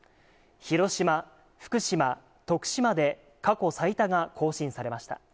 広島、福島、徳島で過去最多が更新されました。